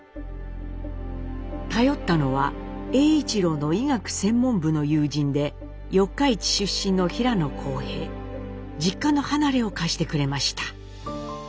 頼ったのは栄一郎の医学専門部の友人で四日市出身の平野康平。実家の離れを貸してくれました。